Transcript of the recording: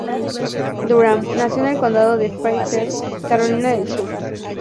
Durham nació en el condado de Fairfield, Carolina del Sur.